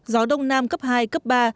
gió đông nam cấp hai cấp ba